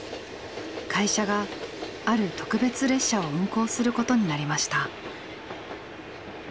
会社がある特別列車を運行することになりました。